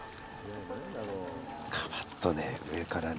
ガバッとね上からね